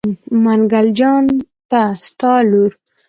منګل جان ته ستا لور.